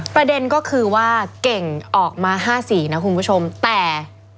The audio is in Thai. ประเด็นก็คือว่าเก่งออกมา๕๔นะคุณผู้ชมแต่